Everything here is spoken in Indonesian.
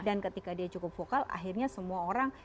dan ketika dia cukup vokal akhirnya semua orang merespon